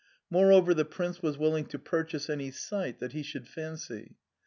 Moreover, the prince was willing to purchase any site that he should fancy.